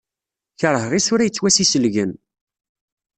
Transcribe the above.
Keṛheɣ isura yettwassiselgen.